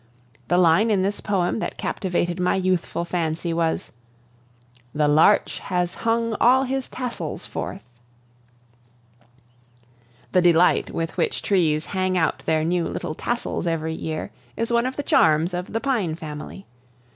The line in this poem that captivated my youthful fancy was: "The larch has hung all his tassels forth," The delight with which trees hang out their new little tassels every year is one of the charms of "the pine family."